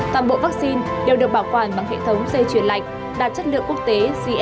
toàn bộ vaccine đều được bảo quản bằng hệ thống dây chuyển lạnh đạt chất lượng quốc tế